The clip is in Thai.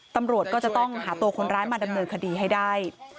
ตำรวจก็จะต้องหาตัวคนร้ายมาดำเนินคดีให้ได้